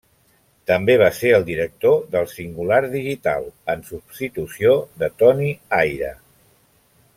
També va ser el director d'El Singular Digital, en substitució de Toni Aira.